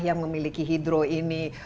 yang memiliki hidro ini